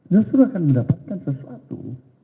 nusra akan mendapatkan sesuatu